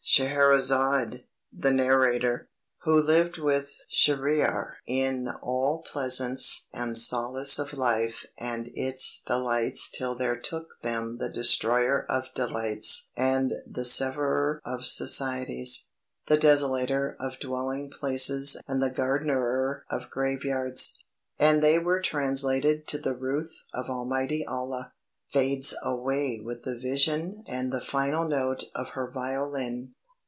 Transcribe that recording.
Scheherazade, the narrator, who lived with Shahriar 'in all pleasance and solace of life and its delights till there took them the Destroyer of delights and the Severer of societies, the Desolater of dwelling places and the Garnerer of graveyards, and they were translated to the ruth of Almighty Allah,' fades away with the vision and the final note of her violin."